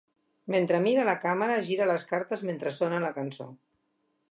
Mentre mira la càmera, gira les cartes mentre sona la cançó.